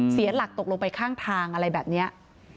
เสียหลักตกลงไปข้างทางอะไรแบบนี้